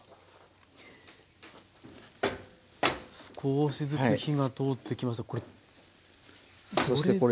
少しずつ火が通ってきました。